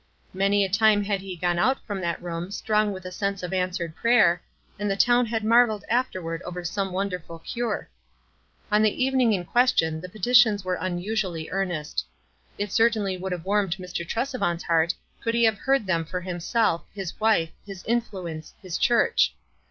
Many a time had he gone out from that room strong with a sense of answered prayer, and the town had marveled afterward over some wonderful cure. On the evening in question the petitions were unusually earnest. It certainly would have warmed Mr. Tresevant's heart could he have heard them for himself, his wife, his influence, his church.